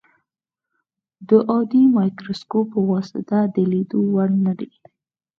د عادي مایکروسکوپ په واسطه د لیدلو وړ نه دي.